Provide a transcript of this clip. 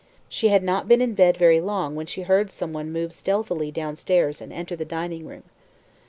She had not been in bed very long when she heard some one move stealthily downstairs and enter the dining room.